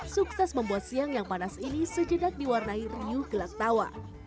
sukses membuat siang yang panas ini sejedak diwarnai riu gelap tawa